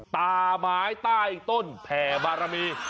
ตาไม้ใต้ต้นแผ่บารมี